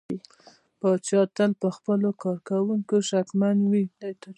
پاچا تل پر خپلو کارکوونکو شکمن وي .